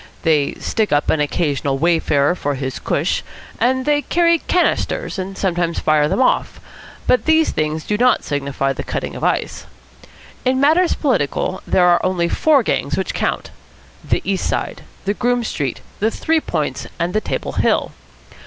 They "stick up" an occasional wayfarer for his "cush," and they carry "canisters" and sometimes fire them off, but these things do not signify the cutting of ice. In matters political there are only four gangs which count, the East Side, the Groome Street, the Three Points, and the Table Hill.